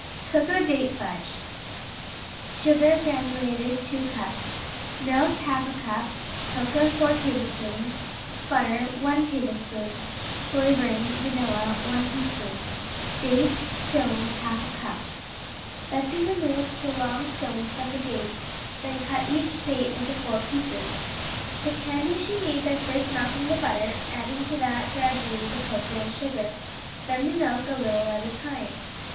Cocoa Date Fudge Sugar (granulated), 2 cups Milk, 1/2 cup Cocoa, 4 tablespoons Butter, 1 tablespoon Flavoring (vanilla), 1 teaspoon Dates (stoned), 1/2 cup Betsey removed the long stones from the dates, then cut each date into four pieces. The candy she made by first melting the butter, adding to that gradually the cocoa and sugar, then the milk a little at a time.